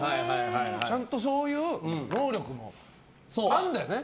ちゃんとそういう能力もあんだよね。